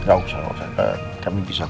enggak usah enggak usah kami bisa